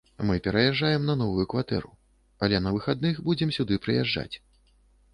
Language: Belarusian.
Мы пераязджаем на новую кватэру, але на выхадных будзем сюды прыязджаць.